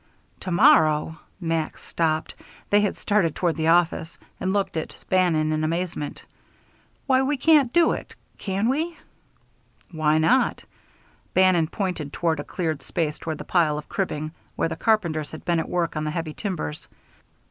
"To morrow!" Max stopped (they had started toward the office) and looked at Bannon in amazement. "Why, we can't do it, can we?" "Why not?" Bannon pointed toward a cleared space behind the pile of cribbing, where the carpenters had been at work on the heavy timbers.